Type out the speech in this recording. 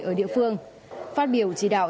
ở địa phương phát biểu chỉ đạo